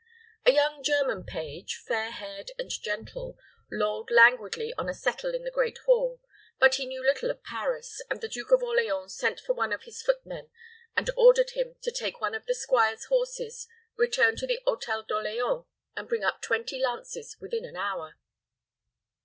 A young German page, fair haired and gentle, lolled languidly on a settle in the great hall, but he knew little of Paris, and the Duke of Orleans sent for one of his footmen, and ordered him to take one of the squires' horses, return to the Hôtel d'Orleans, and bring up twenty lances with in an hour.